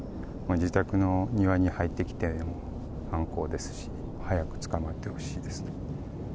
自宅の庭に入ってきての犯行ですし、早く捕まってほしいです。